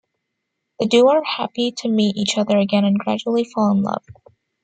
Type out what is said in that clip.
The duo are happy to meet each other again and gradually fall in love.